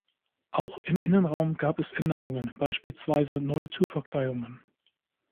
Auch im Innenraum gab es Änderungen, beispielsweise neue Türverkleidungen.